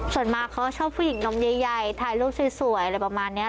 ส่วนมากเขาชอบผู้หญิงนมใหญ่ถ่ายรูปสวยอะไรประมาณนี้